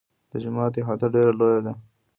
د جومات احاطه ډېره لویه ده.